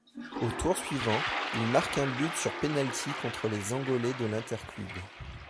Au tour suivant, il marque un but sur penalty contre les Angolais de l'Interclube.